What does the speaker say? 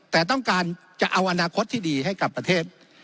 แต่ต้องการจะเอาอนาคตที่ดีให้กับประเทศ